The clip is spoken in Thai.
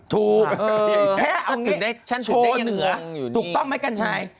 ถูกแทบถึงได้โชว์เหนือถูกต้องไหมกันใช่